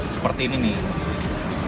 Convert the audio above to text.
seperti ini nih